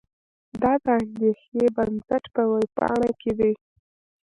دا د اندېښې بنسټ په وېبپاڼه کې دي.